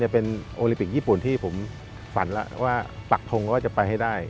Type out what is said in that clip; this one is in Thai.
เป็นโอลิมปิกญี่ปุ่นที่ผมฝันแล้วว่าปักทงว่าจะไปให้ได้